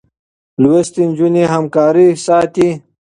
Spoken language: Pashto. لوستې نجونې همکاري ساتي.